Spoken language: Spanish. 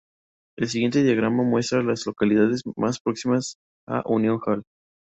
El siguiente diagrama muestra a las localidades más próximas a Union Hall.